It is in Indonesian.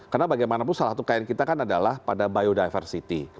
karena bagaimanapun salah satu keinginan kita kan adalah pada biodiversity